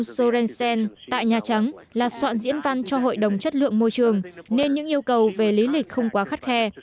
sorencent tại nhà trắng là soạn diễn văn cho hội đồng chất lượng môi trường nên những yêu cầu về lý lịch không quá khắt khe